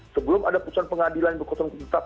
sebelum ada putusan pengadilan yang berkosong titap